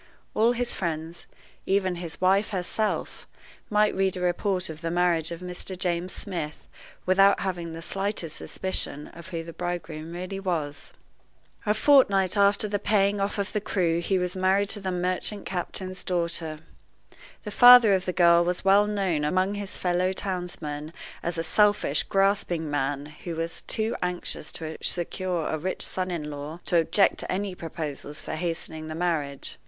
All his friends, even his wife herself, might read a report of the marriage of Mr. James Smith without having the slightest suspicion of who the bridegroom really was. A fortnight after the paying off of the crew he was married to the merchant captain's daughter. The father of the girl was well known among his fellow townsmen as a selfish, grasping man, who was too anxious to secure a rich son in law to object to any proposals for hastening the marriage.